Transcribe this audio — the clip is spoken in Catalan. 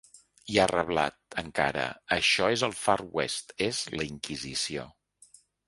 I ha reblat, encara: Això és el “far west”, és la inquisició.